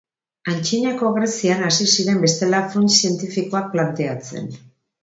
Antzinako Grezian hasi ziren bestela funts zientifikoak planteatzen.